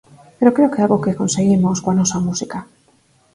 Pero creo que algo conseguimos coa nosa música.